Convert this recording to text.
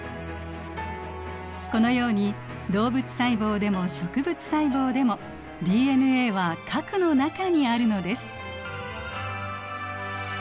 このように動物細胞でも植物細胞でもＤＮＡは核の中にあるのです。